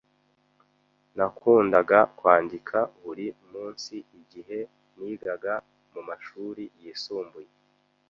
Nakundaga kwandika buri munsi igihe nigaga mumashuri yisumbuye.